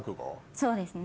そうですね。